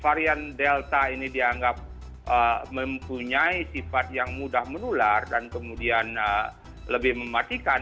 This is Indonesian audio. varian delta ini dianggap mempunyai sifat yang mudah menular dan kemudian lebih mematikan